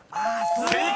［正解！